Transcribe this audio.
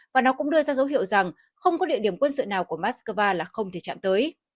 và nó cũng đưa ra dấu hiệu rằng không có địa điểm quân sự nào của moscow là không thể chạm tới